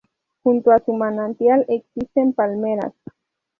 Junto a su manantial existen palmeras.